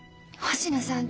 星野さん